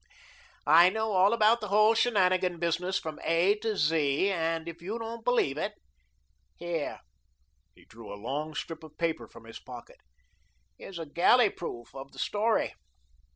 I know all about the whole shananigan business from A to Z, and if you don't believe it here," he drew a long strip of paper from his pocket, "here's a galley proof of the story."